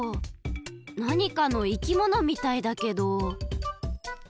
なにかのいきものみたいだけど。